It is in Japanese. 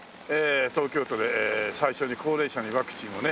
東京都で最初に高齢者にワクチンをね